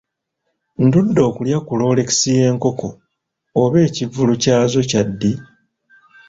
Ndudde okulya ku rolex y'enkoko oba ekivvulu kyazo kya ddi?